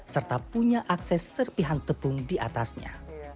serta punya akses serpihan tepung di atasnya